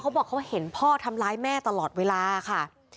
บอกเขาเห็นพ่อทำร้ายแม่ตลอดเวลาค่ะ